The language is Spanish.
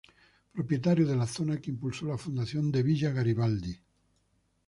Propietario de la zona que impulsó la fundación de Villa Garibaldi.